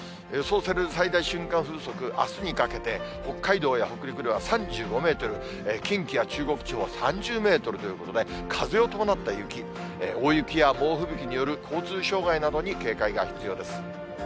予想される最大瞬間風速、あすにかけて、北海道や北陸では３５メートル、近畿や中国地方は３０メートルということで、風を伴った雪、大雪や猛吹雪による交通障害などに警戒が必要です。